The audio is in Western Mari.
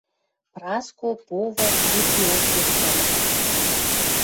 Праско — повар — вирдеок йыштылын